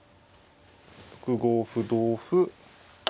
６五歩同歩。